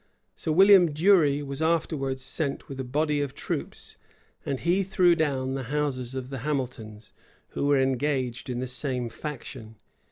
Sir William Drury was afterwards sent with a body of troops, and he threw down the houses of the Hamiltons, who were engaged in the same faction.